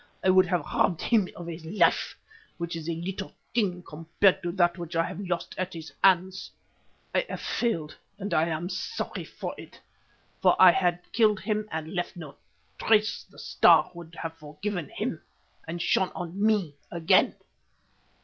I would have robbed him of his life, which is a little thing compared to that which I have lost at his hands. I have failed, and I am sorry for it, for had I killed him and left no trace the Star would have forgotten him and shone on me again."